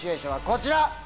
こちら。